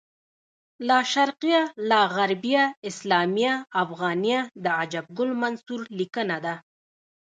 لاشرقیه لاغربیه اسلامیه افغانیه د عجب ګل منصور لیکنه ده